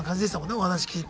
お話聞いて。